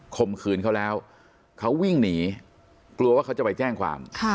มขืนเขาแล้วเขาวิ่งหนีกลัวว่าเขาจะไปแจ้งความ